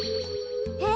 え？